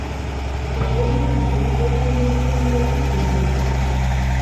É ademais o segundo río máis longo despois do Texo.